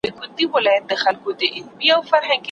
وخت نه دريږي.